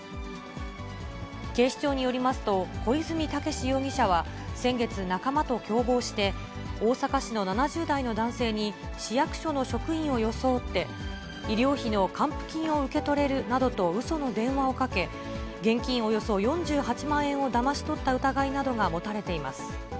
警視庁によりますと、小出水武志容疑者は、先月、仲間と共謀して、大阪市の７０代の男性に、市役所の職員を装って、医療費の還付金を受け取れるなどとうその電話をかけ、現金およそ４８万円をだまし取った疑いなどが持たれています。